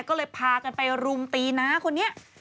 ก็เลยพากันไปรุมตีน้าคนนี้